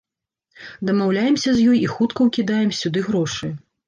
Дамаўляемся з ёй і хутка ўкідаем сюды грошы.